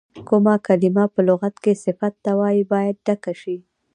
کومه کلمه په لغت کې صفت ته وایي باید ډکه شي.